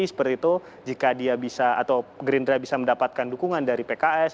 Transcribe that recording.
seperti itu jika dia bisa atau gerindra bisa mendapatkan dukungan dari pks